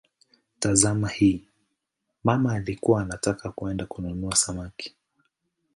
Tazama hii: "mama alikuwa anataka kwenda kununua samaki".